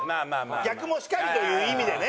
逆もしかりという意味でね。